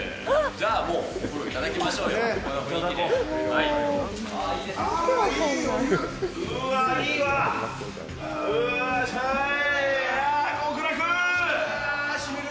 じゃあもうお風呂いただきまあー、いいお湯。